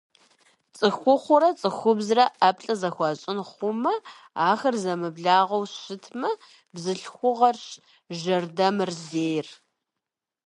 ЦӀыхухъурэ цӀыхубзрэ ӀэплӀэ зэхуащӀын хъумэ, ахэр зэмыблагъэу щытмэ, бзылъхугъэрщ жэрдэмыр зейр.